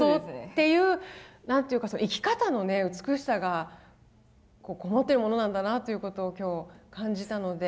そうですね。何というかその生き方のね美しさが籠もってるものなんだなということを今日感じたので。